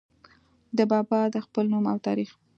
د بابا د خپل نوم او تاريخ